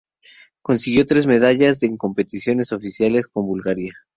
Consiguió tres medallas en competiciones oficiales con Bulgaria.